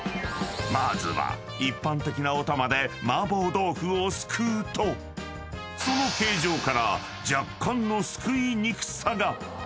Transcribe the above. ［まずは一般的なお玉で麻婆豆腐をすくうとその形状から若干のすくいにくさが］